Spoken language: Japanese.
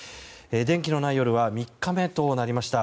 電気のない夜は３日目となりました。